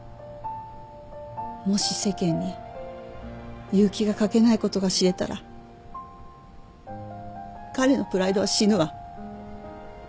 もし世間に結城が書けないことが知れたら彼のプライドは死ぬわ。